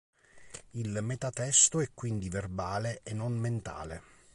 Il metatesto è quindi verbale e non mentale.